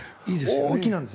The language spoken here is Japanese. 大きいんです。